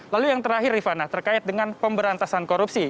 lalu yang terakhir rifana terkait dengan pemberantasan korupsi